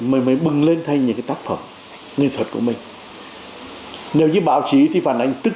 mới bừng lên thành những cái tác phẩm nghệ thuật của mình nếu như báo chí thì phản ánh tức